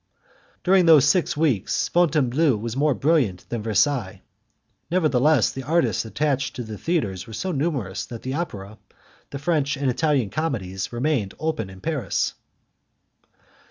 During those six weeks Fontainebleau was more brilliant than Versailles; nevertheless, the artists attached to the theatres were so numerous that the Opera, the French and Italian Comedies, remained open in Paris.